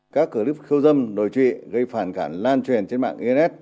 các clip khâu dâm đổi truyện gây phản cảm lan truyền trên mạng ins